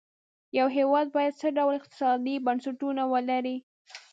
یو هېواد باید څه ډول اقتصادي بنسټونه ولري.